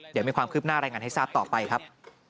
เดี๋ยวมีความคืบหน้ารายงานให้ทราบต่อไปครับ